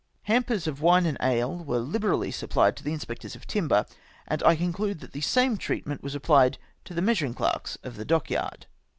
Hampers of wine and ale were liberally supplied to the inspectors of timber, and I conclude that the same treatment was applied to the measuring clerks of the dockyard."